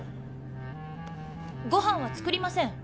ご飯は作りません。